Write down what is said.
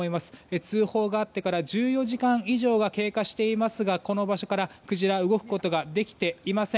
通報があってから１４時間以上が経過していますがこの場所から、クジラは動くことができていません。